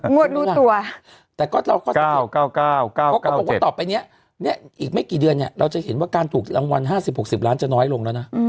งวดลูตัวแต่กอตรอก่อนจะหลังวัน๕๐๖๐ล้านจะน้อยลงนะ